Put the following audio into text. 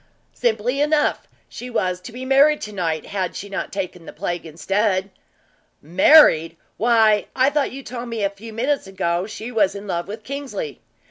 "Simply enough. She was to be married to night, had she not taken the plague instead." "Married? Why, I thought you told me a few minutes ago she was in love with Kingsley.